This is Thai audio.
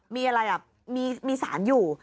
มีอะไรอ่ะมีสารอยู่